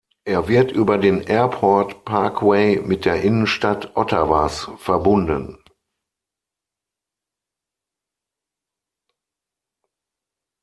Er wird über den Airport Parkway mit der Innenstadt Ottawas verbunden.